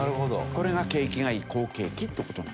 これが景気がいい好景気って事なんですね。